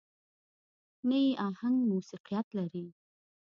نه يې اهنګ موسيقيت لري.